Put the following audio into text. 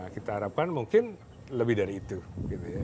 kita harapkan mungkin lebih dari itu gitu ya